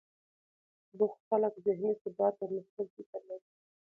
بوخت خلک ذهني ثبات او مثبت فکر لري.